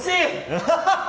アハハハ！